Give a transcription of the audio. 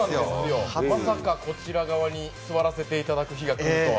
まさかこちら側に座らせていただける日が来ようとは。